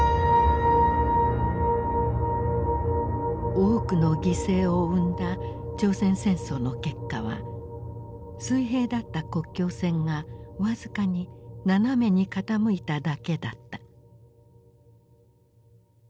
多くの犠牲を生んだ朝鮮戦争の結果は水平だった国境線が僅かに斜めに傾いただけだった。